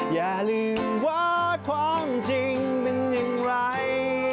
อย่าลืมว่าความจริงเป็นอย่างไร